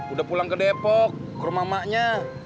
udah pulang ke depok ke rumah emaknya